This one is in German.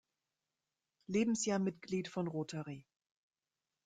Lebensjahr Mitglied von Rotary.